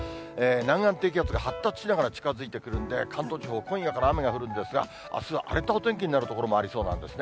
南岸低気圧が発達しながら近づいてくるんで、関東地方、今夜から雨が降るんですが、あすは荒れたお天気になる所もありそうなんですね。